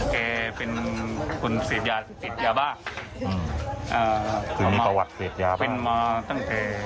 คือทีมีประวัติเสพยาบ้าน